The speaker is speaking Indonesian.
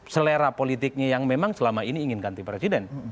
selera politiknya yang memang selama ini ingin ganti presiden